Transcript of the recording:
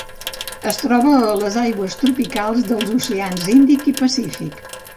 Es troba a les aigües tropicals dels oceans Índic i Pacífic.